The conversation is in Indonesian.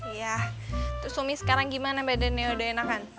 iya terus umi sekarang gimana badannya udah enakan